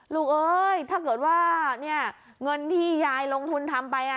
เอ้ยถ้าเกิดว่าเนี่ยเงินที่ยายลงทุนทำไปอ่ะ